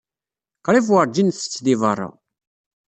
Qrib werǧin nsett deg beṛṛa.